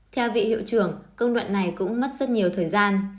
theo vị hiệu trưởng công đoạn này cũng mất rất nhiều thời gian